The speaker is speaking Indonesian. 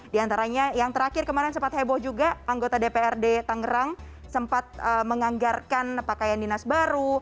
di antaranya yang terakhir kemarin sempat heboh juga anggota dprd tangerang sempat menganggarkan pakaian dinas baru